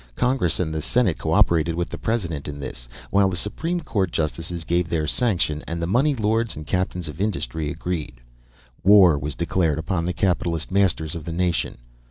Congress and the Senate co operated with the President in this, while the Supreme Court justices gave their sanction and the money lords and the captains of industry agreed. War was declared upon the capitalist masters of the nation.